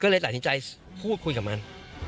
ก็เลยตัดสินใจพูดคุยกับมัน